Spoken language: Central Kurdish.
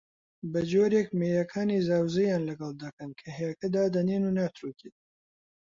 بەجۆرێک مێیەکانی زاوزێیان لەگەڵ دەکەن کە هێلکە دادەنێن و ناتروکێت